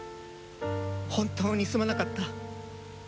本当にすまなかった！